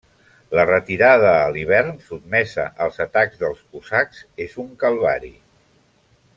La retirada a l’hivern sotmesa als atacs dels Cosacs és un calvari.